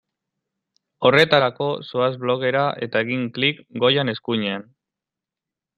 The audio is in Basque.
Horretarako zoaz blogera eta egin klik goian eskuinean.